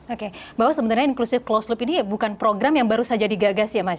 oke bahwa sebenarnya inclusive close loop ini bukan program yang baru saja digagas ya mas